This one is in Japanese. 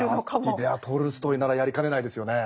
いやトルストイならやりかねないですよね。